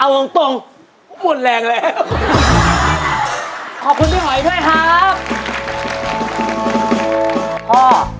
เอาตรงตรงหมดแรงแล้วขอบคุณพี่หอยด้วยครับพ่อ